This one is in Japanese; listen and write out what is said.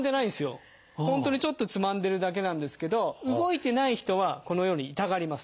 本当にちょっとつまんでるだけなんですけど動いてない人はこのように痛がります。